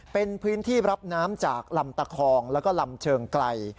เป็นพื้นที่รับน้ำจากลำตะคองแล้วก็ลำเชิงไกล